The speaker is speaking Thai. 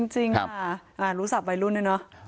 จริงค่ะรู้ศัพท์วัยรุ่นด้วยเนอะ